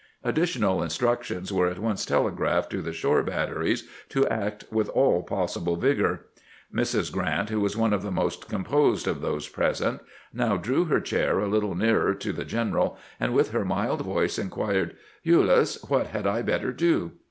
Additional instructions were at once telegraphed to the shore batteries to act with all possible vigor. Mrs. Grant, who was one of the most composed of those present, now drew her chair a little nearer to the general, and with her nuld voice inquired, " Ulyss, what had I better do?"